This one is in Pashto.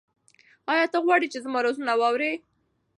ایا ته غواړې چې زما رازونه واورې؟